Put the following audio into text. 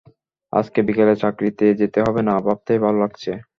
আজকে বিকেলে চাকরিতে যেতে হবে না, ভাবতেই ভালো লাগছে।